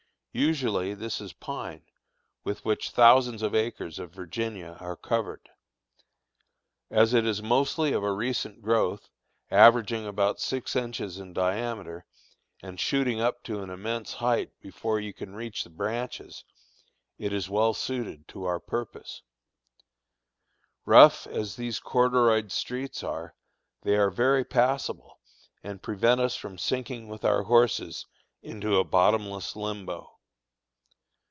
Usually this is pine, with which thousands of acres of Virginia are covered. As it is mostly of a recent growth, averaging about six inches in diameter, and shooting up to an immense height before you can reach the branches, it is well suited to our purpose. Rough as these corduroyed streets are, they are very passable, and prevent us from sinking with our horses into a bottomless limbo.